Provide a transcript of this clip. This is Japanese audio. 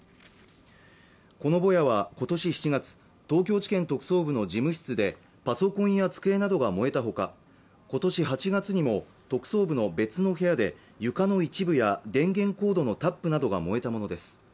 このぼやは今年７月東京地検特捜部の事務室でパソコンや机などが燃えたほか今年８月にも特捜部の別の部屋で床の一部や電源コードのタップなどが燃えたものです